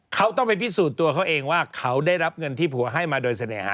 เขาต้องไปพิสูจน์ตัวเขาเองว่าเขาได้รับเงินที่ผัวให้มาโดยเสน่หา